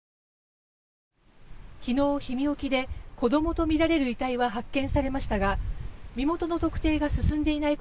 昨日、氷見沖で子供とみられる遺体が発見されましたが、身元の特定が進んでいない